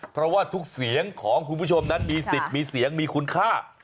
เพราะว่าทุกเสียงของคุณผู้ชมนั้นมีสิทธิ์มีเสียงมีคุณค่า